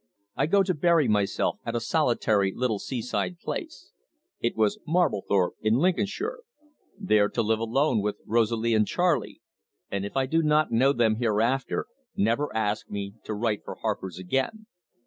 I go to bury myself at a solitary little seaside place" (it was Mablethorpe in Lincolnshire), "there to live alone with Rosalie and Charley, and if I do not know them hereafter, never ask me to write for 'Harper's' again....